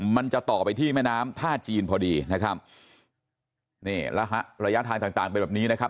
มันจะต่อไปที่แม่น้ำท่าจีนพอดีระยะทางต่างเป็นแบบนี้นะครับ